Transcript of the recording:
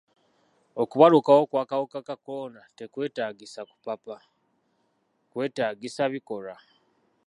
Okubalukawo kw'akawuka ka kolona tekwetaagisa kupapa, kwetaagisa bikolwa.